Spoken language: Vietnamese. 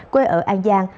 quê ở an giang